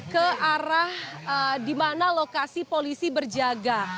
ke arah di mana lokasi polisi berjaga